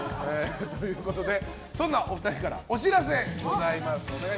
ということでそんなお二人からお知らせがございます。